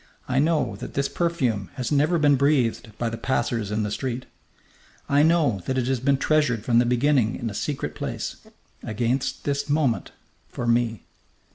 I know that this perfume has never been breathed by the passers in the street. I know that it has been treasured from the beginning in a secret place against this moment for me.